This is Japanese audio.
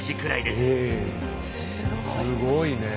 すごいねえ。